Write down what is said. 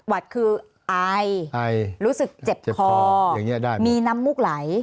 วัดคือไอรู้สึกเจ็บคอมีน้ำมูกไหล